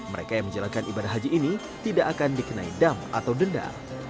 mereka yang menjalankan ibadah haji ini tidak akan dikenai dam atau denda